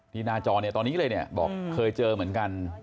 ที่หน้าจอตอนนี้เลยบอกเคยเจอเหมือนกัน